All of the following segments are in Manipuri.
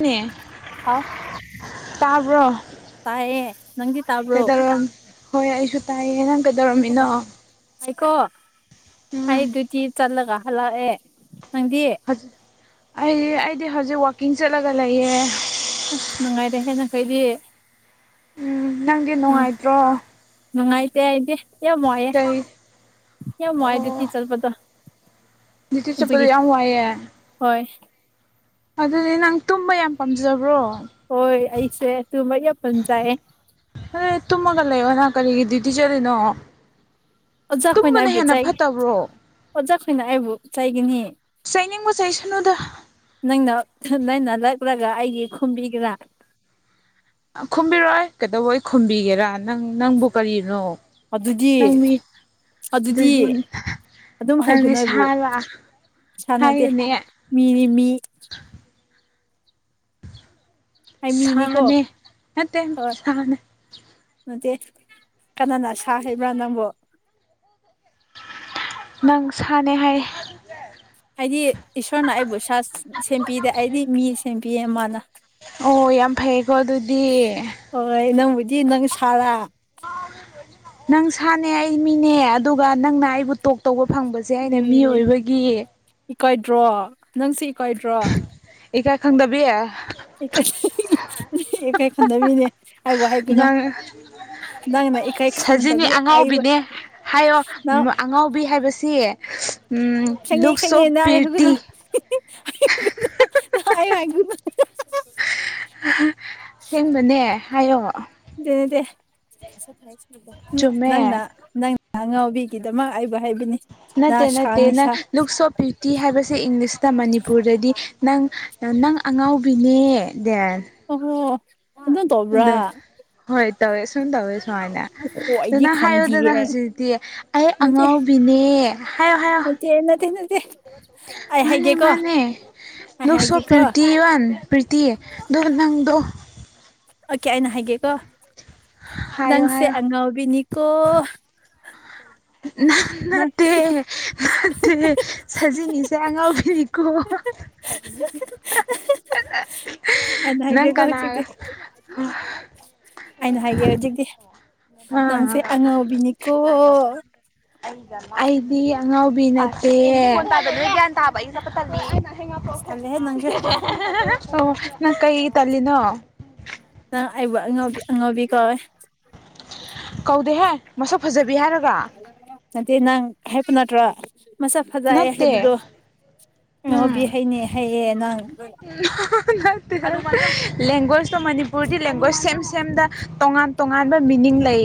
ꯅꯦ ꯍꯥꯎ ꯇꯥꯕ꯭ꯔꯣ ꯇꯥꯏꯌꯦ ꯅꯪꯗꯤ ꯇꯥꯕ꯭ꯔꯣ ꯀꯩꯗꯧꯔꯝ ꯍꯣꯏ ꯑꯩꯁꯨ ꯇꯥꯏꯌꯦ ꯅꯪ ꯀꯩꯗꯧꯔꯝꯃꯤꯅꯣ ꯉꯁꯥꯏꯀꯣ ꯑꯩ ꯎꯝ ꯗꯤꯌꯨꯇꯤ ꯆꯠꯂꯒ ꯍꯜꯂꯛꯑꯦ ꯅꯪꯗꯤ ꯍꯧꯖꯤꯛ ꯑꯩ ꯑꯩꯗꯤ ꯍꯧꯖꯤꯛ ꯋꯥꯛꯀꯤꯡ ꯆꯠꯂꯒ ꯂꯩꯌꯦ ꯑꯁ ꯅꯨꯡꯉꯥꯏꯔꯦꯍꯦ ꯅꯈꯣꯏꯗꯤ ꯎꯝ ꯅꯪꯗꯤ ꯎꯝ ꯅꯨꯡꯉꯥꯏꯇ꯭ꯔꯣ ꯅꯨꯡꯉꯥꯏꯇꯦ ꯑꯩꯗꯤ ꯌꯥꯝ ꯋꯥꯏꯌꯦ ꯀꯩ ꯌꯥꯝ ꯋꯥꯏꯌꯦ ꯗꯤꯌꯨꯇꯤ ꯆꯠꯄꯗꯣ ꯗꯤꯌꯨꯇꯤ ꯆꯠꯄꯗꯣ ꯑꯗꯨꯒꯤ ꯌꯥꯝ ꯋꯥꯏꯌꯦ ꯍꯣꯏ ꯑꯗꯨꯗꯤ ꯅꯪ ꯇꯨꯝꯕ ꯌꯥꯝ ꯄꯥꯝꯖꯕ꯭ꯔꯣ ꯍꯣꯏ ꯑꯩꯁꯦ ꯇꯨꯝꯕ ꯌꯥꯝ ꯄꯥꯝꯖꯩꯌꯦ ꯑꯗꯨꯗꯤ ꯇꯨꯝꯃꯒ ꯂꯩꯌꯣꯅꯥ ꯀꯔꯤꯒꯤ ꯗꯤꯌꯨꯇꯤ ꯆꯠꯂꯤꯅꯣ ꯇꯨꯝꯕꯅ ꯍꯦꯟꯅ ꯐꯠꯇꯕ꯭ꯔꯣ ꯑꯣꯖꯥꯁꯤꯡꯅ ꯑꯩꯕꯨ ꯆ ꯩꯒꯅꯤ ꯆꯩꯅꯤꯡꯕ ꯆꯩꯁꯅꯨꯗ ꯅꯪꯅ ꯅꯪꯅ ꯂꯛꯂꯒ ꯑꯩꯒꯤ ꯈꯨꯝꯕꯤꯒꯦꯔꯥ ꯈꯨꯝꯕꯤꯔꯣꯏ ꯀꯩꯗꯧꯕꯩ ꯈꯨꯝꯕꯤꯒꯦꯔꯥ ꯅꯪ ꯅꯪꯕꯨ ꯀꯔꯤꯅꯣ ꯑꯗꯨꯗꯤ ꯅꯪ ꯃꯤ ꯑꯗꯨꯗꯤ ꯑꯗꯨꯝ ꯅꯪꯗꯤ ꯍꯥꯏꯒꯅꯨ ꯑꯩꯕꯨ ꯁꯥ ꯂꯥ ꯁꯥꯟꯅꯗꯦ ꯍꯥꯏꯌꯨꯅꯦ ꯃꯤꯅꯤ ꯃꯤ ꯑꯩ ꯃꯤꯅꯤꯀꯣ ꯁꯥꯅꯦ ꯅꯠꯇꯦ ꯍꯣꯏ ꯁꯥꯅꯦ ꯅꯠꯇꯦ ꯀꯅꯥꯅ ꯁꯥ ꯍꯥꯏꯕ꯭ꯔꯥ ꯅꯪꯕꯨ ꯅꯪ ꯁꯥꯅꯦ ꯍꯥꯏꯌꯦ ꯍꯥꯏꯗꯤ ꯏꯁꯣꯔꯅ ꯑꯩꯕꯨ ꯁꯥ ꯁꯦꯝꯕꯤꯗꯦ ꯑꯩꯗꯤ ꯃꯤ ꯁꯦꯝꯕꯤꯌꯦ ꯃꯥꯅ ꯑꯣ ꯌꯥꯝ ꯐꯩꯌꯦꯀꯣ ꯑꯗꯨꯗꯤ ꯍꯣꯏ ꯅꯪꯕꯨꯗꯤ ꯅꯪ ꯁꯥꯔ ꯅꯪ ꯁꯥꯅꯦ ꯑꯩ ꯃꯤꯅꯦ ꯑꯗꯨꯒ ꯅꯪꯅ ꯑꯩꯕꯨ ꯇꯣꯛ ꯇꯧꯕ ꯐꯪꯕꯖꯦ ꯑꯩꯅ ꯎꯝ ꯃꯤꯑꯣꯏꯕꯒꯤ ꯏꯀꯥꯏꯗ꯭ꯔꯣ ꯅꯪꯁꯦ ꯏꯀꯥꯏꯗ꯭ꯔꯣ ꯏꯀꯥꯏꯈꯪꯗꯕꯤ ꯏꯀꯥꯏ ꯏꯀꯥꯏꯈꯪꯗꯕꯤꯅꯦ ꯅꯪ ꯅꯪꯅ ꯏꯀꯥꯏ ꯁꯖꯤꯅꯤ ꯈꯪꯗꯕꯤ ꯑꯩꯕꯨ ꯑꯉꯥꯎꯕꯤꯅꯦ ꯍꯥꯏꯌꯣ ꯅꯪ ꯑꯉꯥꯎꯕꯤ ꯍꯥꯏꯕꯁꯤ ꯎꯝ ꯈꯪꯉꯦ ꯂꯨꯛ ꯁꯣ ꯈꯪꯉꯦ ꯅꯪ ꯄ꯭ꯔꯤꯇꯤ ꯍꯥꯏꯒꯅꯨ [unintelligible] ꯑꯁꯦꯡꯕꯅꯦ ꯍꯥꯏꯌꯣ ꯅꯠꯇꯦ ꯅꯠꯇꯦ ꯅꯪ ꯆꯨꯝꯃꯦ ꯅꯪꯅ ꯅꯪꯅ ꯑꯉꯥꯎꯕꯤꯒꯤꯗꯃꯛ ꯑꯩ ꯅꯠꯇꯦ ꯅꯠꯇꯦ ꯅꯪ ꯂꯨꯛ ꯁꯣ ꯄ꯭ꯔꯤꯇꯤ ꯍꯥꯏꯕꯁꯦ ꯏꯪꯂꯤꯁꯇ ꯃꯅꯤꯄꯨꯔꯗꯗꯤ ꯅꯪꯅ ꯅꯪ ꯑꯉꯥꯎꯕꯤꯅꯦ ꯗꯦꯟ ꯑꯣ ꯍꯣ ꯑꯟꯗꯦꯟ ꯍꯣꯏ ꯇꯧꯋꯦ ꯁꯨꯝ ꯇꯧꯋꯦ ꯁꯨꯃꯥꯏꯅ ꯑꯣꯍꯣ ꯑꯗꯨ ꯑꯩꯗꯤ ꯅꯪ ꯍꯥꯏꯌꯨꯗꯅ ꯈꯪꯗꯤꯌꯦ ꯍꯧꯖꯤꯛꯇꯤ ꯑꯩ ꯅꯠꯇꯦ ꯑꯉꯥꯎꯕꯤꯅꯦ ꯍꯥꯏꯌꯣ ꯍꯥꯏꯌꯣ ꯅꯠꯇꯦ ꯅꯠꯇꯦ ꯅꯠꯇꯦ ꯑꯩ ꯃꯥꯅꯦ ꯍꯥꯏꯒꯦꯀꯣ ꯃꯥꯅꯦ ꯑꯩ ꯂꯨꯛ ꯁꯣ ꯍꯥꯏꯒꯦꯀꯣ ꯄ꯭ꯔꯤꯇꯤ ꯋꯥꯟ ꯄ꯭ꯔꯤꯇꯤ ꯑꯗꯣ ꯅꯪꯗꯣ ꯑꯣꯀꯦ ꯑꯩꯅ ꯍꯥꯏꯒꯦꯀꯣ ꯍꯥꯏꯌꯣ ꯅꯪꯁꯦ ꯍꯥꯏꯌꯣ ꯑꯉꯥꯎꯕꯤꯅꯤꯀꯣ ꯅꯟ ꯅꯪ ꯅꯠꯇꯦ ꯅꯠꯇꯦ ꯁꯥꯖꯤꯅꯤꯁꯦ ꯑꯉꯥꯎꯕꯤꯅꯤꯀꯣ ꯑꯩꯅ [unintelligible] ꯅꯪ ꯍꯥꯏꯒꯦꯀꯣ ꯍꯧꯖꯤꯛꯇꯤ ꯀꯅꯥꯒ ꯑꯩꯅ ꯍꯥꯏꯒꯦ [unintelligible] ꯍꯧꯖꯤꯛꯇꯤ ꯑꯥ ꯅꯪꯁꯦ ꯑꯉꯥꯎꯕꯤꯅꯤꯀꯣ ꯑꯩꯗꯤ ꯑꯉꯥꯎꯕꯤ ꯅꯠꯇꯦ [unintelligible] ꯒ꯭ꯌꯥꯟ ꯇꯥꯕ ꯑꯩꯗꯤ ꯆꯠꯄ ꯇꯜꯂꯤ ꯑꯁ ꯇꯜꯂꯦꯍꯦ ꯅꯪꯁꯨ ꯑꯣ ꯅꯪ ꯀꯩꯒꯤ ꯇꯜꯂꯤꯅꯣ ꯅꯪ ꯑꯩꯕꯨ ꯑꯉꯥꯎꯕ ꯑꯉꯥꯎꯕꯤ ꯀꯧꯋꯦ ꯀꯧꯗꯦꯍꯦ ꯃꯁꯛ ꯐꯖꯕꯤ ꯍꯥꯏꯔ ꯅꯠꯇꯦ ꯅꯪ ꯍꯦꯛꯄ ꯅꯠꯇ꯭ꯔꯥ ꯃꯁꯛ ꯐꯖꯩꯌꯦ ꯅꯠꯇꯦ ꯍꯥꯏꯕꯗꯣ ꯎꯝ ꯑꯉꯥꯎꯕꯤ ꯍꯥꯏꯅꯦ ꯍꯥꯏꯌꯦ ꯅꯪ ꯅꯠꯇꯦ ꯂꯦꯡꯒ꯭ꯋꯦꯖꯇꯣ ꯃꯅꯤꯄꯨꯔꯗꯤ ꯂꯦꯡꯒ꯭ꯋꯦꯖ ꯁꯦꯝ ꯁꯦꯝꯗ ꯇꯣꯉꯥꯟ ꯇꯣꯉꯥꯟꯕ ꯃꯤꯅꯤꯡ ꯂꯩ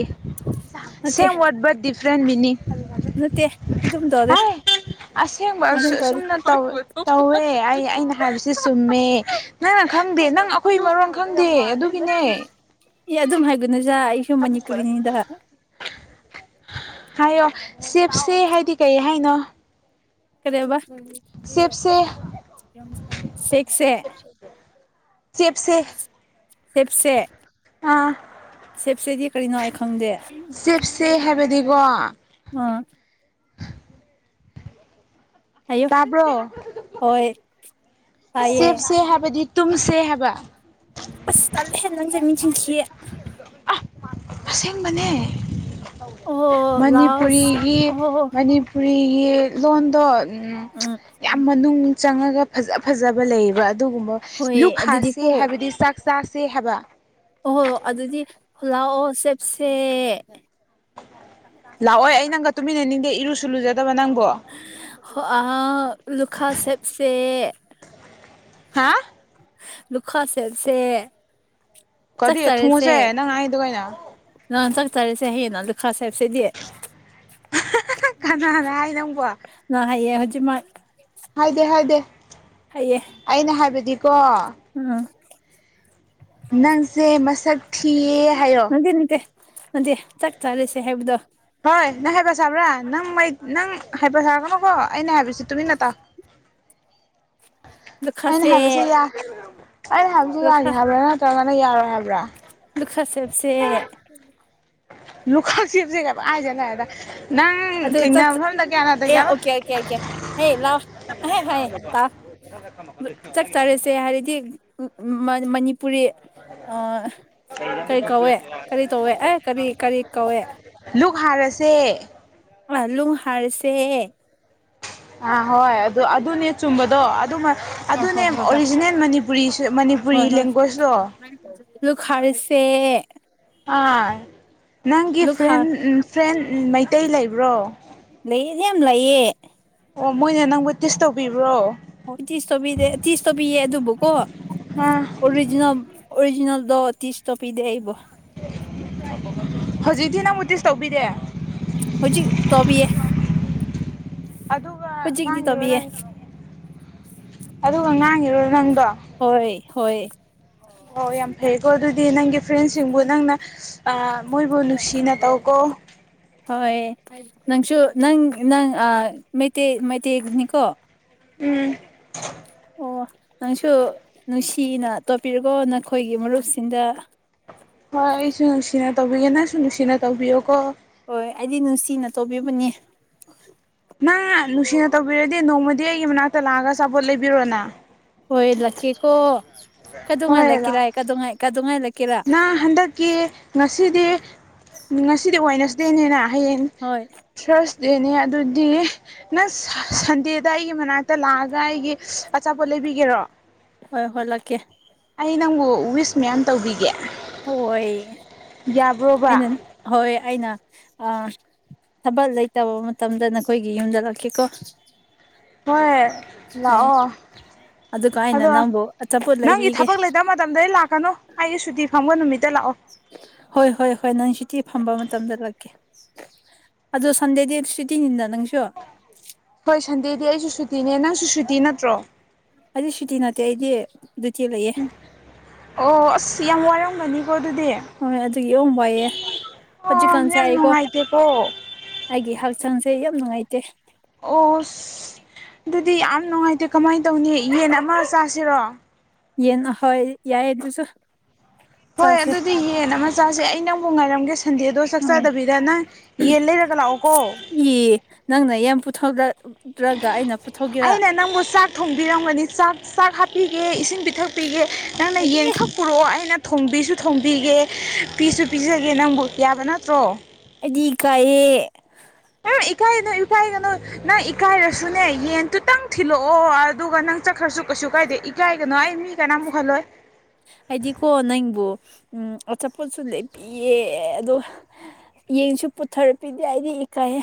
ꯅꯠꯇꯦ ꯁꯦꯝ ꯋꯥꯔꯗ ꯕꯠ ꯗꯤꯐ꯭ꯔꯦꯟ ꯃꯤꯅꯤꯡ ꯅꯠꯇꯦ ꯑꯗꯨꯝ ꯇꯧꯗꯦ ꯍꯥꯏ ꯑꯁꯦꯡꯕ ꯑꯗꯨꯝ ꯑꯁꯣ ꯇꯧꯗꯦ ꯁꯣꯝꯗ ꯇꯧ ꯇꯧꯋꯦ ꯑꯩ ꯑꯩꯅ ꯍꯥꯏꯕꯁꯤ ꯆꯨꯝꯃꯦ ꯅꯪꯅ ꯈꯪꯗꯦ ꯅꯪ ꯑꯩꯈꯣꯏ ꯃꯔꯣꯟ ꯈꯪꯗꯦ ꯑꯗꯨ ꯑꯦ ꯑꯗꯨꯝ ꯍꯥꯏꯒꯅꯨꯗ ꯑꯩ ꯊ [inaudible] ꯍꯥꯏꯌꯣ ꯁꯤꯐꯁꯦ ꯍꯥꯏꯗꯤ ꯀꯩ ꯍꯥꯏꯅꯣ ꯀꯔꯤ ꯍꯥꯏꯕ ꯆꯦꯞꯁꯦ ꯁꯤꯛꯁꯦ ꯆꯦꯞꯁꯦ ꯁꯤꯞꯁꯦ ꯑꯥ ꯁꯦꯞꯁꯤ ꯍꯥꯏꯗꯤ ꯀꯔꯤꯅꯣ ꯑꯩ ꯈꯪꯗꯦ ꯆꯦꯞꯁꯦ ꯍꯥꯏꯕꯗꯤꯀꯣ ꯑꯥ ꯍꯥꯏꯌꯨ ꯇꯥꯕ꯭ꯔꯣ ꯍꯣꯏ ꯇꯥꯏꯌꯦ ꯁꯦꯞꯁꯦ ꯍꯥꯏꯕꯗꯤ ꯇꯨꯝꯁꯦ ꯍꯥꯏꯕ ꯑꯁ ꯇꯜꯂ ꯍꯦ ꯅꯪꯁꯦ ꯃꯆꯤꯟ ꯊꯤꯌꯦ ꯑꯥ ꯑꯁꯦꯡꯕꯅꯦ ꯑꯣ ꯂꯥꯎꯁ ꯃꯅꯤꯄꯨꯔꯤꯒꯤ ꯄꯅꯤ ꯑꯣ ꯃꯅꯤꯄꯨꯔꯤꯒꯤ ꯂꯣꯟꯗꯣ ꯎꯝ ꯌꯥꯝ ꯃꯅꯨꯡ ꯆꯪꯉꯒ ꯐꯖ ꯐꯖꯕ ꯂꯩꯌꯦꯕ ꯑꯗꯨꯒꯨꯝꯕ ꯍꯣꯏ ꯂꯨꯛ ꯍꯥꯁꯦ ꯑꯗꯨꯗꯤꯀꯣ ꯍꯥꯏꯕꯗꯤ ꯆꯥꯛ ꯆꯥꯁꯦ ꯍꯥꯏꯕ ꯑꯣꯍꯣꯏ ꯑꯗꯨꯗꯤ ꯂꯥꯛꯑꯣ ꯆꯦꯞꯁꯦ ꯂꯥꯛꯑꯣꯏ ꯑꯩ ꯅꯪꯒ ꯇꯨꯃꯤꯟꯅꯅꯤꯡꯗꯦ ꯏꯔꯨꯁꯨ ꯂꯨꯖꯗꯕ ꯅꯪꯕꯣ ꯍꯣ ꯍꯥꯎ ꯂꯨꯈꯥ ꯆꯦꯞꯁꯦ ꯍꯥ ꯂꯨꯈꯥ ꯆꯦꯞꯁꯦ ꯆꯥꯛ ꯀꯔꯤ ꯆꯔꯥꯁꯦ ꯊꯨꯡꯉꯣꯁꯦ ꯅꯪ ꯍꯥꯏꯗꯣ ꯀꯩꯅꯣ ꯅꯍꯥꯟ ꯆꯥꯛ ꯆꯥꯔꯦꯁꯦ ꯍꯥꯏꯅ ꯍꯥꯏꯌꯦ ꯑꯗꯨ ꯈꯔ ꯆꯦꯞꯁꯦꯗꯤ ꯀꯅꯥꯅ ꯍꯥꯏ ꯅꯪꯕꯣ ꯅꯪ ꯍꯌꯦꯡ ꯍꯩꯖꯤꯛꯃꯛ ꯍꯥꯏꯗꯦ ꯍꯥꯏꯗꯦ ꯑꯩꯅ ꯍꯥꯏꯕꯗꯤꯀꯣ ꯎꯝ ꯅꯪꯁꯦ ꯃꯁꯛ ꯊꯤꯌꯦ ꯍꯥꯏꯕ ꯅꯠꯇꯦ ꯅꯠꯇꯦ ꯆꯥꯛ ꯆꯥꯔꯥꯁꯦ ꯍꯥꯏꯕꯗꯣ ꯍꯣꯏ ꯅꯪ ꯍꯩꯄ ꯁꯥꯕ꯭ꯔ ꯅꯪ ꯃꯩ ꯅꯪ ꯍꯩꯄꯥ ꯁꯥꯔꯛꯀꯅꯨꯀꯣ ꯑꯩꯅ ꯍꯥꯏꯕꯁꯤ ꯇꯨꯃꯤꯟꯅ ꯇꯥꯎ ꯑꯩꯅ ꯂꯨꯈꯥꯁꯦ ꯍꯥꯏꯕꯁ ꯌꯥ ꯑꯩꯅ ꯍꯥꯏꯕꯁꯦ ꯌꯥꯒꯦ ꯂꯨꯈꯥ ꯍꯥꯏꯕ꯭ꯔ ꯅꯠꯇ꯭ꯔꯒꯅ ꯌꯥꯔꯣꯏ ꯍꯥꯏꯕ꯭ꯔ ꯂꯨꯈꯥ ꯁꯦꯞꯁꯦ ꯂꯨꯈꯥ ꯁꯦꯞꯁꯦꯒ ꯄꯡꯍꯥꯏ ꯍꯥꯏꯖꯜꯂꯦꯕ ꯅꯪ ꯑꯗꯨ ꯆꯥꯛ ꯊꯦꯡꯅꯕ ꯃꯐꯝꯗ ꯀꯌꯥ ꯅꯇꯩ ꯆꯔꯣꯏ ꯍꯥꯏ ꯍꯥꯏ ꯇꯥꯎ ꯆꯥꯛ ꯆꯥꯔꯁꯦ ꯍꯥꯏꯔꯗꯤ ꯎꯝ ꯃꯅꯤꯄꯨꯔꯤ ꯑꯥ ꯀꯔꯤ ꯀꯧꯋꯦ ꯀꯔꯤ ꯇꯧꯌꯦ ꯑꯦ ꯀꯔꯤ ꯀꯔꯤ ꯀꯧꯋꯦ ꯂꯨꯛ ꯍꯥꯔꯥꯁꯦ ꯂꯨꯛ ꯍꯔꯥꯁꯦ ꯑꯥ ꯍꯣꯏ ꯑꯗꯨ ꯑꯗꯨꯅꯦ ꯆꯨꯝꯕꯗꯣ ꯑꯗꯨ ꯑ ꯑꯗꯨꯅꯦ ꯍꯣꯏ ꯍꯣꯏ ꯍꯣꯏ ꯑꯣꯔꯤꯖꯤꯅꯦꯜ ꯃꯅꯤꯄꯨꯔꯤ ꯃꯅꯤꯄꯨꯔꯤ ꯍꯣꯏ ꯍꯣꯏ ꯂꯦꯡꯒ꯭ꯋꯦꯁꯇꯣ ꯂꯨꯛ ꯍꯔꯥꯁꯦ ꯑꯥ ꯅꯪꯒꯤ ꯂꯨꯛ ꯍꯥ ꯐ꯭ꯔꯦꯟ ꯐ꯭ꯔꯦꯟ ꯃꯩꯇꯩ ꯂꯩꯕ꯭ꯔꯣ ꯂꯩꯌꯦꯗꯤ ꯌꯥꯝ ꯂꯩꯌꯦ ꯑꯣ ꯃꯣꯏꯅ ꯅꯪꯕꯨ ꯇꯤꯁ ꯇꯧꯕꯤꯕ꯭ꯔꯣ ꯍꯣꯏ ꯇꯤꯁꯕꯤꯗꯦ ꯇꯤꯁ ꯇꯧꯕꯤꯌꯦ ꯑꯗꯨꯕꯨꯀꯣ ꯑꯥ ꯑꯣꯔꯤꯖꯤꯅꯦꯜ ꯑꯣꯔꯤꯖꯤꯅꯦꯜꯗꯣ ꯇꯤꯁꯇꯧꯕꯤꯗꯦ ꯑꯩꯕꯨ ꯍꯧꯖꯤꯛꯇꯤ ꯅꯪꯕꯨ ꯇꯤꯁ ꯇꯧꯕꯤꯗꯦ ꯍꯧꯖꯤꯛ ꯇꯧꯕꯤꯌꯦ ꯑꯗꯨꯒ ꯍꯧꯖꯤꯛꯇꯤ ꯉꯥꯡꯉꯤꯔꯣ ꯇꯧꯕꯤꯌꯦ ꯅꯪ ꯑꯗꯨꯒ ꯉꯥꯡꯉꯤꯔꯣ ꯅꯪꯗꯣ ꯍꯣꯏ ꯍꯣꯏ ꯑꯣ ꯌꯥꯝ ꯐꯩꯀꯣ ꯑꯗꯨꯗꯤ ꯅꯪꯒꯤ ꯐ꯭ꯔꯦꯟꯁꯤꯡꯕꯨ ꯍꯣꯏ ꯅꯪꯅ ꯑ ꯃꯣꯏꯕꯨ ꯍꯤꯗꯥꯛ ꯅꯨꯡꯁꯤꯅ ꯆꯥꯕ꯭ꯔꯣ ꯇꯧꯀꯣ ꯍꯣꯏ ꯅꯪꯁꯨ ꯅꯪ ꯅꯪ ꯑ ꯃꯩꯇꯩ ꯃꯩꯇꯩꯅꯤꯀꯣ ꯎꯝ ꯑꯣ ꯅꯪꯁꯨ ꯅꯨꯡꯁꯤꯅ ꯇꯧꯕꯤꯌꯨꯀꯣ ꯅꯈꯣꯏꯒꯤ ꯃꯔꯨꯞꯁꯤꯡꯗ ꯍꯣꯏ ꯑꯩꯁꯨ ꯅꯨꯡꯁꯤꯅ ꯇꯧꯕꯤꯒꯦ ꯅꯪꯁꯨ ꯅꯨꯡꯁꯤꯅ ꯇꯧꯕꯤꯌꯣꯀꯣ ꯍꯣꯏ ꯑꯩꯗꯤ ꯅꯨꯡꯁꯤꯅ ꯇꯧꯕꯤꯕꯅꯤ ꯅꯪ ꯅꯨꯡꯁꯤꯅ ꯇꯧꯕꯤꯔꯗꯤ ꯅꯣꯡꯃꯗꯤ ꯑꯩꯒꯤ ꯃꯅꯥꯛꯇ ꯂꯥꯛꯑꯒ ꯑꯆꯥꯄꯣꯠ ꯂꯩꯕꯤꯔꯣꯅ ꯍꯣꯏ ꯂꯥꯛꯀꯦꯀꯣ ꯀꯩꯗꯧꯉꯧ ꯍꯣꯏ ꯂꯥꯛꯑꯣ ꯂꯥꯛꯀꯦꯔ ꯀꯩꯗꯧꯉꯥꯏ ꯂꯥꯛꯀꯦꯔꯥ ꯀꯦ ꯉꯁꯤꯗꯤ ꯉꯁꯤꯗꯤ ꯋꯦꯗꯅꯁꯗꯦꯅꯤꯅ ꯍꯌꯦꯡ ꯍꯣꯏ ꯊꯥꯔꯁ ꯗꯦꯅꯦ ꯑꯗꯨꯗꯤ ꯅꯪ ꯁꯟꯗꯦꯗ ꯑꯩꯒꯤ ꯃꯅꯥꯛꯇ ꯂꯥꯛꯑꯒ ꯑꯩꯒꯤ ꯑꯆꯥꯄꯣꯠ ꯂꯩꯕꯤꯒꯦꯔꯣ ꯍꯣꯏ ꯍꯣꯏ ꯂꯥꯛꯀꯦ ꯑꯩ ꯅꯪꯕꯨ ꯋꯤꯁ ꯃꯌꯥꯝ ꯇꯧꯕꯤꯒꯦ ꯍꯣꯏ ꯌꯥꯕ꯭ꯔꯣ ꯑꯩꯅ ꯍꯣꯏ ꯑꯩꯅ ꯑ ꯊꯕꯛ ꯂꯩꯇꯕ ꯃꯇꯝꯗ ꯅꯈꯣꯏꯒꯤ ꯌꯨꯝꯗ ꯂꯥꯛꯀꯦꯀꯣ ꯍꯣꯏ ꯍꯣꯏ ꯂꯥꯛꯑꯣ ꯑꯗꯨꯒ ꯑꯩꯅ ꯅꯪꯕꯨ ꯑꯆꯥꯄꯣꯠ ꯂꯩꯕꯤꯒꯦ ꯇ ꯃꯇꯝꯗꯗꯤ ꯂꯥꯛꯀꯅꯨ ꯑꯩꯒꯤ ꯁꯨꯇꯤ ꯐꯪꯕ ꯅꯨꯃꯤꯠꯇ ꯂꯥꯛꯑꯣ ꯍꯣꯏ ꯍꯣꯏ ꯍꯣꯏ ꯅꯪ ꯁꯨꯇꯤ ꯐꯪꯕ ꯃꯇꯝꯗ ꯂꯥꯛꯀꯦ ꯑꯗꯨ ꯁꯟꯗꯦ ꯗꯦ ꯁꯨꯇꯤꯅꯤꯗ ꯅꯪꯁꯨ ꯍꯣꯏ ꯁꯟꯗꯦꯗꯤ ꯑꯩꯁꯨ ꯁꯨꯇꯤꯅꯦ ꯅꯪꯁꯨ ꯁꯨꯇꯤ ꯅꯠꯇ꯭ꯔꯣ ꯑꯩꯗꯤ ꯁꯨꯇꯤ ꯅꯠꯇꯦ ꯑꯩꯗꯤ ꯗꯨꯏꯇꯤ ꯂꯩꯌꯦ ꯑꯣ ꯑꯁ ꯌꯥꯝ ꯋꯥꯔꯝꯒꯅꯤꯀꯣ ꯑꯗꯨꯗꯤ ꯍꯣꯏ ꯑꯗꯨꯒꯤ ꯌꯣꯡ ꯋꯥꯏꯑꯦ ꯑꯣ ꯍꯧꯖꯤꯛꯀꯥꯟꯁꯦ ꯌꯥꯝ ꯁꯥꯏꯀꯣ ꯅꯨꯡꯉꯥꯏꯇꯦꯀꯣ ꯑꯩꯒꯤ ꯍꯛꯆꯥꯡꯁꯦ ꯌꯥꯝ ꯅꯨꯡꯉꯥꯏꯇꯦ ꯑꯣꯁ ꯑꯗꯨꯗꯤ ꯌꯥꯝ ꯅꯨꯡꯉꯥꯏꯇꯦ ꯀꯃꯥꯏꯅ ꯇꯧꯅꯤ ꯌꯦꯟ ꯑꯃ ꯆꯥꯁꯤꯔꯣ ꯌꯦꯟ ꯍꯣꯏ ꯌꯥꯏꯌꯦ ꯑꯗꯨꯁꯨ ꯍꯣꯏ ꯆꯥꯁꯦ ꯑꯗꯨꯗꯤ ꯌꯦꯟ ꯑꯃ ꯆꯥꯁꯦ ꯑꯩ ꯅꯪꯕꯨ ꯉꯥꯏꯔꯝꯒꯦ ꯁꯟꯗꯦꯗꯣ ꯆꯥꯛ ꯑꯣ ꯆꯥꯗꯕꯤꯗ ꯅꯪ ꯌꯦꯟ ꯂꯩꯔꯒ ꯂꯥꯛꯑꯣ ꯀꯣ ꯏ ꯅꯪꯅ ꯌꯥꯝ ꯄꯨꯊꯣꯛꯔꯛ ꯔꯛꯂꯒ ꯑꯩꯅ ꯄꯨꯊꯣꯛꯀꯦꯔꯥ ꯑꯩꯅ ꯅꯪꯕꯨ ꯆꯥꯛ ꯊꯣꯡꯕꯤꯔꯝꯒꯅꯤ ꯆꯥꯛ ꯆꯥꯛ ꯍꯥꯞꯄꯤꯒꯦ ꯏꯁꯤꯡ ꯄꯤꯊꯛꯄꯤꯒꯦ ꯅꯪꯅ ꯅꯠꯇꯦ ꯌꯦꯟ ꯈꯛ ꯄꯨꯔꯛꯑꯣ ꯑꯩꯅ ꯊꯣꯡꯕꯤꯁꯨ ꯊꯣꯡꯕꯤꯒꯦ ꯄꯤꯁꯨ ꯄꯤꯖꯒꯦ ꯅꯪꯕꯨ ꯌꯥꯕ ꯅꯠꯇ꯭ꯔꯣ ꯑꯩꯗꯤ ꯏꯀꯥꯏꯑꯦ ꯑꯝ ꯏꯀꯥꯏꯒꯅꯣ ꯏꯀꯥꯏꯒꯅꯣ ꯅꯪ ꯏꯀꯥꯏꯔꯁꯨꯅꯦ ꯌꯦꯟꯗꯨꯨꯇꯪ ꯊꯤꯜꯂꯛꯑꯣ ꯑꯗꯨꯒ ꯅꯪ ꯆꯠꯈ꯭ꯔꯁꯨ ꯀꯩꯁꯨ ꯀꯥꯏꯗꯦ ꯏꯀꯥꯏꯒꯅꯨ ꯑꯩ ꯃꯤ ꯀꯅꯥꯝ ꯎꯍꯜꯂꯣꯏ ꯑꯩꯗꯤꯀꯣ ꯅꯪꯕꯨ ꯎꯝ ꯑꯆꯥꯄꯣꯠꯁꯨ ꯂꯩꯄꯤꯌꯦ ꯑꯗꯣ ꯌꯦꯟꯁꯨ ꯄꯨꯊꯔꯛꯄꯤꯗꯦ ꯑꯩꯗꯤ ꯏꯀꯥꯏꯌꯦ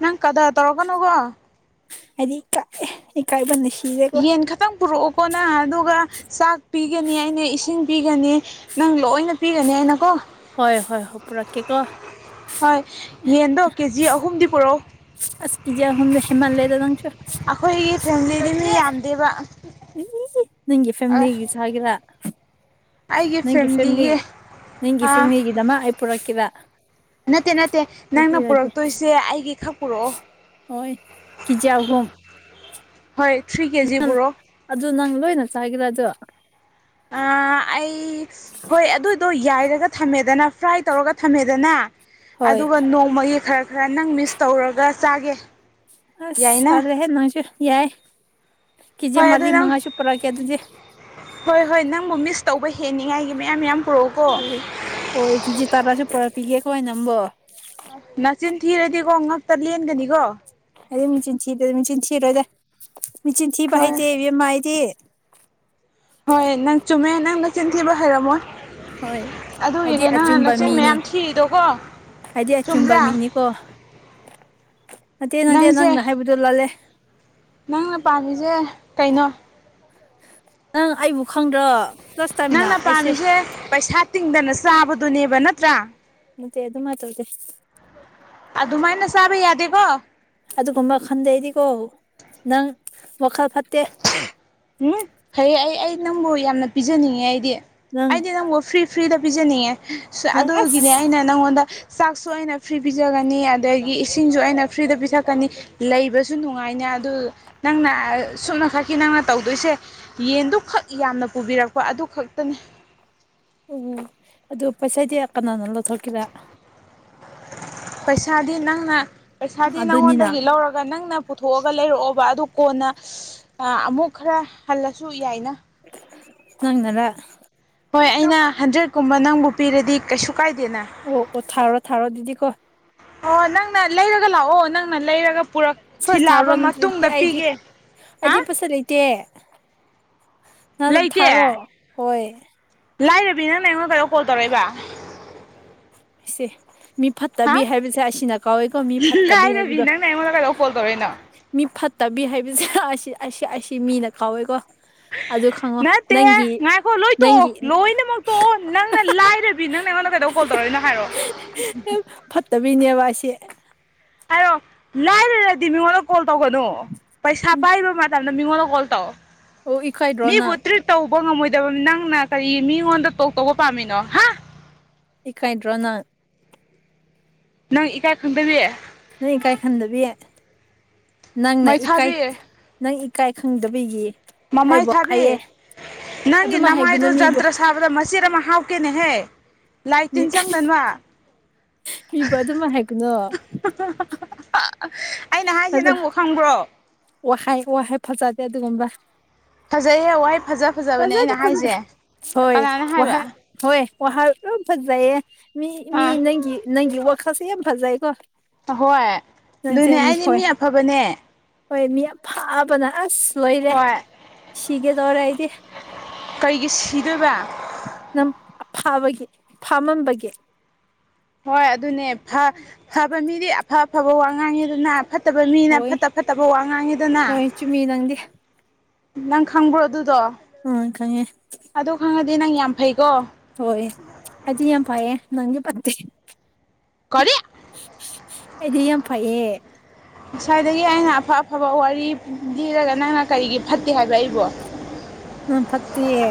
ꯅꯪ ꯀꯗꯥꯔ ꯇꯧꯔꯛꯀꯅꯣꯀꯣ ꯑꯩꯗꯤ ꯏ ꯀꯥꯏ ꯏ ꯀꯥꯏꯕꯅ ꯁꯤꯔꯦꯀꯣ ꯌꯦꯟ ꯈꯇꯪ ꯄꯨꯔꯛꯑꯣ ꯀꯎꯅꯥ ꯑꯗꯨꯒ ꯆꯥꯛ ꯄꯤꯒꯅꯤ ꯑꯩꯅ ꯏꯁꯤꯡ ꯄꯤꯒꯅꯤ ꯅꯪ ꯂꯣꯏꯅ ꯄꯤꯒꯅꯤ ꯑꯩꯅ ꯀꯣ ꯍꯣꯏ ꯍꯣꯏ ꯍꯣꯏ ꯄꯨꯔꯛꯀꯦ ꯀꯣ ꯍꯣꯏ ꯌꯦꯟꯗꯣ ꯀꯦꯖꯤ ꯑꯍꯨꯝꯗꯤ ꯄꯨꯔꯛꯑꯣ ꯑꯁ ꯀꯤꯖꯤ ꯑꯍꯨꯝꯗꯦ ꯍꯦꯃꯜ ꯂꯩꯗ ꯅꯪꯁꯨ ꯑꯩꯈꯣꯏꯒꯤ ꯐꯦꯃꯤꯂꯤꯗꯤ ꯃꯤ ꯌꯥꯝꯗꯦꯕ ꯅꯪꯒꯤ ꯐꯦꯃꯤꯂꯤꯒꯤ ꯆꯒꯦꯔ ꯑꯩꯒꯤ ꯅꯪꯒꯤ ꯐꯦꯝꯂꯤ ꯐꯦꯃꯤꯂꯤꯒꯤ ꯅꯪꯒꯤ ꯑꯥ ꯐꯦꯝꯂꯤꯒꯤꯗꯃꯛ ꯑꯩ ꯄꯨꯔꯛ ꯀꯩꯔ ꯅꯠꯇꯦ ꯅꯠꯇꯦ ꯅꯪꯅ ꯄꯨꯔꯛꯇꯣꯏꯁꯦ ꯑꯩꯒꯤ ꯈꯛ ꯄꯨꯔꯛꯑꯣ ꯍꯣꯏ ꯀꯦꯖꯤ ꯑꯍꯨꯝ ꯍꯣꯏ ꯊ꯭ꯔꯤ ꯀꯦꯖꯤ ꯄꯨꯔꯣ ꯑꯗꯨ ꯅꯪ ꯂꯣꯏꯅ ꯆꯒꯦꯔ ꯑꯗꯨ ꯑꯥ ꯑꯩ ꯍꯣꯏ ꯑꯗꯨꯗꯣ ꯌꯥꯏꯔꯒ ꯊꯝꯃꯦꯗꯅ ꯐ꯭ꯔꯥꯏ ꯇꯧꯔꯒ ꯊꯝꯃꯦꯗꯅ ꯍꯣꯏ ꯑꯗꯨꯒ ꯅꯣꯡꯃꯒꯤ ꯈꯔ ꯈꯔ ꯅꯪ ꯃꯤꯁ ꯇꯧꯔꯒ ꯆꯥꯒꯦ ꯑꯁ ꯌꯥꯏꯅ ꯇꯂꯦ ꯍꯦ ꯅꯪꯁꯨ ꯌꯥꯏ ꯀꯩꯖꯦ ꯍꯣꯏ ꯑꯗꯨ ꯃꯔꯤ ꯅꯪ ꯃꯉꯥꯁꯨ ꯄꯨꯔꯛ ꯀꯦ ꯑꯗꯨꯗꯤ ꯍꯣꯏ ꯍꯣꯏ ꯅꯪꯕꯨ ꯃꯤꯁ ꯇꯧꯕ ꯍꯦꯟꯅꯤꯉꯥꯏꯒꯤ ꯃꯌꯥꯝ ꯌꯥꯝ ꯍꯣꯏ ꯍꯣꯏ ꯀꯦꯖꯤ ꯇꯔꯥꯁꯨ ꯄꯨꯔꯛꯄꯤꯒꯦ ꯀꯣ ꯅꯪꯕꯣ ꯅꯥꯆꯤꯟ ꯊꯤꯔꯗꯤꯀꯣ ꯉꯥꯛꯇ ꯂꯦꯟꯒꯅꯤꯀꯣ ꯑꯩꯗꯤ ꯃꯦꯆꯤꯟ ꯊꯤꯗ ꯃꯦꯆꯤꯟ ꯊꯤꯔꯣꯗ ꯃꯦꯆꯤꯟ ꯊꯤꯕ ꯍꯣꯏ ꯍꯩꯇꯦ ꯏꯕꯦꯝꯃ ꯑꯩꯗꯤ ꯍꯣꯏ ꯅꯪ ꯆꯨꯝꯃꯦ ꯅꯪ ꯅꯆꯤꯟ ꯊꯤꯕ ꯍꯩꯔꯝꯃꯣꯏ ꯍꯣꯏ ꯑꯩꯗꯤ ꯑꯗꯨꯒꯤꯅꯦ ꯅꯪꯅ ꯑꯆꯨꯝꯕ ꯅꯆꯤꯟ ꯃꯤꯅꯤ ꯃꯌꯥꯝ ꯊꯤꯔꯤꯗꯣꯀꯣ ꯆꯨꯝꯕ꯭ꯔꯥ ꯀꯣ ꯅꯠꯇꯦ ꯅꯠꯇꯦ ꯅꯪꯁꯦ ꯅꯪꯅ ꯍꯥꯏꯕꯗꯣ ꯂꯜꯂꯦ ꯅꯪꯅ ꯄꯥꯝꯃꯤꯁꯦ ꯀꯩꯅꯣ ꯅꯪ ꯑꯩꯕꯨ ꯈꯪꯗ꯭ꯔꯣ ꯂꯥꯁ ꯇꯥꯏꯝꯅ ꯅꯪꯅ ꯑꯩꯁꯦ ꯄꯥꯝꯃꯤꯁꯦ ꯄꯩꯁꯥ ꯇꯤꯡꯗꯅ ꯆꯥꯕꯗꯨꯅꯦꯕ ꯅꯠꯇ꯭ꯔꯥ ꯅꯠꯇꯦ ꯑꯗꯨ ꯃꯥꯏ ꯇꯎꯗꯦ ꯑꯗꯨꯃꯥꯏꯅ ꯆꯥꯕ ꯌꯥꯗꯦꯀꯣ ꯑꯗꯨꯒꯨꯝꯕ ꯈꯟꯗꯦꯑꯩꯗꯤꯀꯣ ꯅꯪ ꯋꯥꯈꯜ ꯐꯠꯇꯦ ꯎꯝ ꯐꯩꯌꯦ ꯑꯩ ꯑꯩ ꯅꯪꯕꯨ ꯌꯥꯝꯅ ꯄꯤꯖꯅꯤꯡꯉꯦ ꯑꯩꯗꯤ ꯅꯪ ꯑꯩꯗꯤ ꯅꯪꯕꯨ ꯐ꯭ꯔꯤ ꯐ꯭ꯔꯤꯗ ꯄꯤꯖꯅꯤꯡꯉꯦ ꯅꯪ ꯑꯗꯨꯒꯤꯅꯦ ꯑꯁ ꯑꯩꯅ ꯅꯪꯉꯣꯟꯗ ꯆꯥꯛꯁꯨ ꯑꯩꯅ ꯐ꯭ꯔꯤ ꯄꯤꯖꯒꯅꯤ ꯑꯗꯒꯤ ꯏꯁꯤꯡꯁꯨ ꯑꯩꯅ ꯐ꯭ꯔꯤꯗ ꯄꯤꯊꯛꯀꯅꯤ ꯂꯩꯕꯁꯨ ꯅꯨꯡꯉꯥꯏꯅꯦ ꯑꯗꯨ ꯅꯪꯅ ꯁꯨꯞꯅ ꯈꯛꯀꯤ ꯅꯪꯅ ꯇꯧꯗꯣꯏꯁꯦ ꯌꯦꯟꯗꯨꯈꯛ ꯌꯥꯝꯅ ꯄꯨꯕꯤꯔꯛꯄ ꯑꯗꯨ ꯈꯛꯇꯅꯤ ꯑꯣ ꯑꯗꯨ ꯄꯣꯠꯆꯩꯗꯤ ꯀꯅꯅꯥ ꯂꯧꯊꯣꯛꯀꯦꯔꯥ ꯄꯩꯁꯥꯗꯤ ꯅꯪꯅ ꯄꯩꯁꯥꯗꯤ ꯑꯗꯨꯅꯤꯅ ꯅꯪꯉꯣꯟꯗꯒꯤ ꯂꯧꯔꯒ ꯅꯪꯅ ꯄꯨꯊꯣꯛꯑꯒ ꯂꯩꯔꯛꯑꯣꯕ ꯑꯗꯨ ꯀꯣꯟꯅ ꯑꯃꯨꯛ ꯈꯔ ꯍꯜꯂꯁꯨ ꯌꯥꯏꯅ ꯅꯪꯅꯔ ꯍꯣꯏ ꯑꯩꯅ ꯍꯟꯗ꯭ꯔꯦꯠꯀꯨꯝꯕ ꯅꯪꯕꯨ ꯄꯤꯔꯗꯤ ꯀꯩꯁꯨ ꯀꯥꯏꯗꯦꯅ ꯑꯣ ꯑꯣ ꯊꯥꯥꯎꯔꯣ ꯊꯥꯥꯎꯔꯣ ꯑꯗꯨꯗꯤ ꯀꯣ ꯑꯣ ꯅꯪꯅ ꯂꯩꯔꯒ ꯂꯥꯛꯑꯣ ꯅꯪꯅ ꯂꯩꯔꯒ ꯄꯨꯔꯛ ꯐꯥꯔꯁ ꯊꯥꯔꯨꯔꯣ ꯊꯤꯜꯂꯛꯑꯕ ꯅꯠꯇ꯭ꯔꯗꯤ ꯃꯇꯨꯡꯗ ꯑꯩꯗꯤ ꯄꯤꯒꯦ ꯍꯥ ꯑꯩꯗꯤ ꯄꯩꯁ ꯂꯩꯇꯦ ꯅꯪ ꯂꯩꯇꯦ ꯊꯥꯔꯣ ꯍꯣꯏ ꯂꯥꯏꯔꯕꯤ ꯅꯪꯅ ꯑꯩꯉꯣꯟ ꯀꯩꯗꯧ ꯀꯣꯜ ꯇꯧꯔꯛꯏꯕ ꯢꯁꯦ ꯃꯤꯐꯠ ꯍꯥ ꯐꯠꯇꯕꯤ ꯍꯥꯏꯕꯁꯦ ꯑꯁꯤꯅ ꯀꯥꯎꯋꯦꯀꯣ ꯃꯤ ꯐꯠꯇꯕꯤ ꯂꯥꯏꯔꯕꯤ ꯍꯥꯏꯕꯗꯣ ꯅꯪꯅ ꯑꯩꯉꯣꯟꯗ ꯀꯩꯗꯧ ꯀꯣꯜ ꯇꯧꯔꯛꯏꯅꯣ ꯃꯤ ꯐꯠꯇꯕꯤ ꯍꯥꯏꯕꯁꯦ ꯑꯁꯤ ꯑꯁꯤ ꯑꯁꯤ ꯃꯤꯅ ꯀꯥꯎꯋꯦꯀꯣ ꯑꯗꯨ ꯈꯪꯉꯣ ꯅꯠꯇꯦ ꯅꯪꯒꯤ ꯉꯥꯏꯈꯣ ꯂꯣꯏ ꯇꯣꯛꯑꯣ ꯅꯪꯒꯤ ꯂꯣꯏꯅꯃꯛ ꯇꯣꯛꯑꯣ ꯅꯪꯅ ꯂꯥꯏꯔ ꯕꯤ ꯅꯪꯅ ꯑꯩꯉꯣꯟꯗ ꯀꯩꯗꯧ ꯀꯣꯜ ꯇꯧꯔꯛꯅꯣ ꯍꯥꯏꯔꯛꯑꯣ ꯐꯠꯇꯕꯤꯅꯦꯕ ꯑꯁꯤ ꯍꯥꯏꯔꯛꯑꯣ ꯂꯥꯏꯔꯔꯗꯤ ꯃꯤꯉꯣꯟꯗ ꯀꯣꯜ ꯇꯧꯒꯅꯨ ꯄꯩꯁꯥ ꯎꯝ ꯄꯥꯏꯕ ꯃꯇꯝ ꯅꯥ ꯃꯤꯉꯣꯟꯗꯥ ꯀꯣꯜ ꯇꯧ ꯑꯣ ꯏꯀꯥꯏꯗ꯭ꯔꯣ ꯃꯤꯕꯨ ꯅꯪ ꯇ꯭ꯔꯤꯠ ꯇꯧꯕ ꯉꯝꯃꯣꯏꯗꯕ ꯅꯪꯅ ꯀꯔꯤ ꯃꯤꯉꯣꯟꯗ ꯇꯣꯛ ꯇꯧꯕ ꯄꯥꯝꯃꯤꯅꯣ ꯍꯥ ꯏꯀꯥꯏꯗ꯭ꯔꯣ ꯅꯪ ꯅꯪ ꯏꯀꯥꯏ ꯈꯪꯗꯕꯤ ꯅꯪ ꯏꯀꯥꯏ ꯈꯟꯗꯕꯤ ꯅꯪꯅ ꯏꯀꯥꯏ ꯃꯩꯊꯥꯕꯤ ꯅꯪ ꯏꯀꯥꯏ ꯈꯪꯗꯕꯤꯒꯤ ꯃꯃꯥꯏ ꯑꯩꯕꯨ ꯊꯥꯕꯤ ꯍꯥꯏꯌꯦ ꯅꯪꯒꯤ ꯑꯗꯨꯃꯥꯏ ꯅꯃꯥꯏꯗꯣ ꯍꯥꯏꯒꯅꯨ ꯃꯤꯕꯨ ꯖꯟꯇ꯭ꯔ ꯁꯥꯕꯗ ꯃꯆꯦꯠ ꯑꯃ ꯍꯥꯞꯀꯦꯅꯦꯍꯦ ꯂꯥꯏ ꯃꯤ ꯇꯤꯟ ꯆꯪꯗꯅꯕ ꯃꯤꯕꯨ ꯑꯗꯨꯃꯏ ꯍꯥꯏꯒꯅꯨ ꯑꯩꯅ ꯍꯥꯏꯁꯦ ꯅꯪꯕꯨ ꯈꯪꯕ꯭ꯔꯣ ꯋꯥꯍꯥꯏ ꯋꯥꯍꯩ ꯐꯖꯗꯦ ꯑꯗꯨꯒꯨꯝꯕ ꯐꯖꯩꯍꯦ ꯋꯥꯍꯩ ꯐꯖ ꯐꯖꯕꯅꯦ ꯐꯖꯗꯦ ꯑꯩꯅ ꯐꯖꯗꯦ ꯍꯥꯏꯖꯦ ꯍꯣꯏ ꯋꯥꯍꯥ ꯍꯣꯏ ꯋꯥꯍꯥꯏ ꯂꯣꯏ ꯐꯖꯩꯌꯦ ꯃꯤ ꯃꯤ ꯑꯥ ꯅꯪꯒꯤ ꯅꯪꯒꯤ ꯋꯥꯈꯜꯁꯦ ꯌꯥꯝ ꯐꯖꯩꯀꯣ ꯑꯍꯣꯏ ꯅꯪꯁꯦ ꯑꯗꯨꯅꯦ ꯃꯤ ꯑꯩꯗꯤ ꯍꯣꯏ ꯑꯐꯕꯅꯦ ꯍꯣꯏ ꯃꯤ ꯑꯐꯕꯅ ꯑꯁ ꯂꯣꯏꯔꯦ ꯍꯣꯏ ꯁꯤꯒꯗꯣꯔꯦ ꯑꯩꯗꯤ ꯀꯩꯒꯤ ꯁꯤꯗꯣꯏꯕ ꯅꯪ ꯑꯐꯕꯒꯤ ꯐꯃꯝꯕꯒꯤ ꯍꯣꯏ ꯑꯗꯨꯅꯦ ꯐ ꯐꯕ ꯃꯤꯗꯤ ꯑꯐ ꯑꯐꯕ ꯋꯥ ꯉꯥꯡꯉꯦꯗꯅ ꯐꯠ ꯐꯠꯇꯕ ꯃꯤꯅ ꯍꯣꯏ ꯐꯠꯇ ꯐꯠꯇꯕ ꯋꯥ ꯉꯥꯡꯉꯦꯗꯅ ꯍꯣꯏ ꯆꯨꯝꯃꯤ ꯅꯪꯗꯤ ꯅꯪ ꯈꯪꯕ꯭ꯔꯣ ꯑꯗꯨꯗꯣ ꯑꯥ ꯈꯥꯡꯉꯦ ꯑꯗꯨ ꯈꯪꯉꯗꯤ ꯅꯪ ꯌꯥꯝ ꯐꯩꯀꯣ ꯍꯣꯏ ꯑꯩꯗꯤ ꯌꯥꯝ ꯐꯩꯌꯦ ꯅꯪꯗꯤ ꯐꯠꯇꯦ ꯀꯔꯤ ꯑꯩꯗꯤ ꯌꯥꯝ ꯐꯩꯌꯦ ꯉꯁꯥꯏꯗꯒꯤ ꯑꯩꯅ ꯑꯐ ꯑꯐꯕ ꯋꯥꯔꯤ ꯂꯤꯔꯒ ꯅꯪꯅ ꯀꯔꯤꯒꯤ ꯐꯠꯇꯦ ꯍꯥꯏꯕ ꯑꯩꯕꯨ ꯅꯪ ꯐꯠꯇꯤꯌꯦ